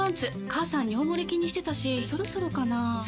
母さん尿モレ気にしてたしそろそろかな菊池）